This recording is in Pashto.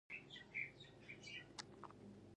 دا معلومات دې راټول کړي او په ټولګي کې دې وړاندې کړي.